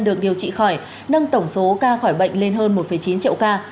được điều trị khỏi nâng tổng số ca khỏi bệnh lên hơn một chín triệu ca